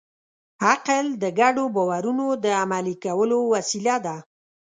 عقل د ګډو باورونو د عملي کولو وسیله ده.